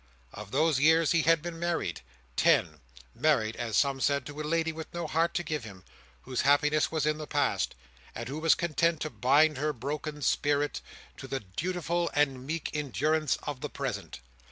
Of those years he had been married, ten—married, as some said, to a lady with no heart to give him; whose happiness was in the past, and who was content to bind her broken spirit to the dutiful and meek endurance of the present.